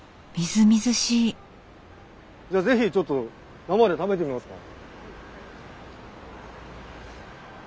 じゃあ是非ちょっと生で食べてみますか？